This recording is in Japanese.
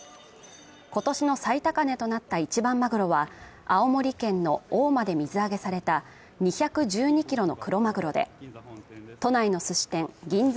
今年の最高値となった一番マグロは青森県の大間で水揚げされた２１２キロのクロマグロで都内の寿司店銀座